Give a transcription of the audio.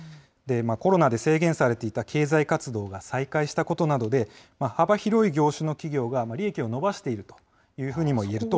コロナで制限されていた経済活動が再開したことなどで、幅広い業種の企業が利益を伸ばしているというふうにも言えると。